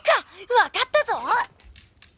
わかったぞ！